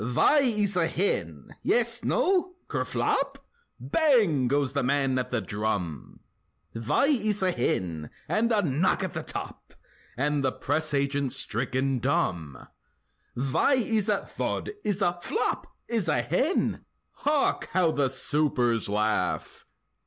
Vhy iss a hen? Yes? No? (Kerflop?) Bang! goes the man at the drum; Vhy iss a hen? (And a knock at the top!) And the press agent's stricken dumb; Vhy iss a—(Thud!)—iss a—(Flop!)—iss a hen? Hark! how the supers laugh!